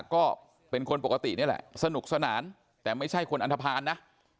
ก็เป็นคนปกตินี่แหละสนุกสนานแต่ไม่ใช่คนอันทภาณนะ